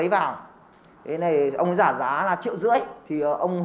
với giá là hai triệu đồng